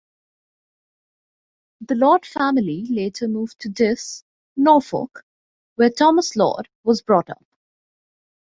The Lord family later moved to Diss, Norfolk, where Thomas Lord was brought up.